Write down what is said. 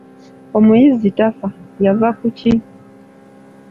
Omuyizzi tafa, yava ku ki?